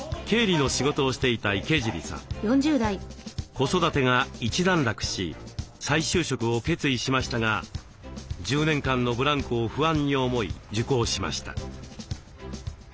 子育てが一段落し再就職を決意しましたが１０年間のブランクを不安に思い受講しました。